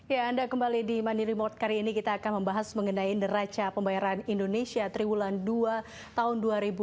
ya anda kembali di money report kali ini kita akan membahas mengenai neraca pembayaran indonesia triwulan dua tahun dua ribu dua puluh